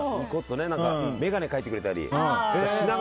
眼鏡を描いてくれたりね。